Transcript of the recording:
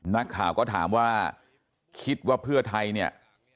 นักข่าวก็ถามว่าคิดว่าเพื่อไทยเนี่ย